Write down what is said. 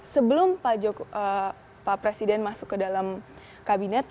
sebelum pak presiden masuk ke dalam kabinet